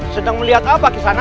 sedang melihat apa kesana